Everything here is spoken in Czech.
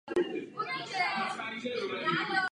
V čele provincie stojí "arcibiskup–metropolita z Rennes".